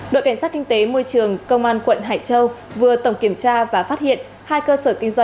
đội cảnh sát kinh tế môi trường công an quận hải châu vừa tổng kiểm tra và phát hiện hai cơ sở kinh doanh